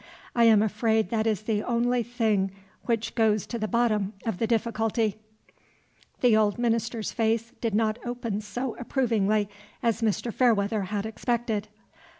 I am afraid that is the only thing which goes to the bottom of the difficulty." The old minister's face did not open so approvingly as Mr. Fairweather had expected.